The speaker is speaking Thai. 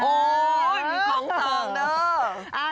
โอ๊ยมีท้องเจ้า